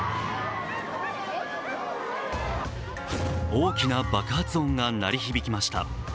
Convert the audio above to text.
大きな爆発音が鳴り響きました。